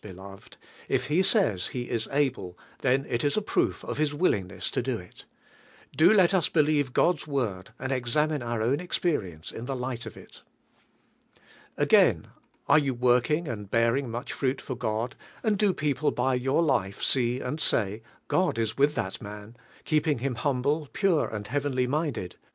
beloved; if tie aayfl He \s "able," thea it in ;i proof of His willingness to do it. Do let us be lieve God's Word and examine our own Experience in the light of il. Again, are you working and bearing much fruit for God, and do people by your life see mnl say, "God in with thai man, keeping him humble, pure, and heavenly minded"?